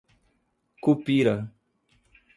Cupira